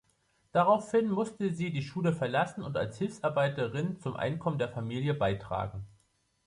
Daraufhin musste sie die Schule verlassen und als Hilfsarbeiterin zum Einkommen der Familie beitragen.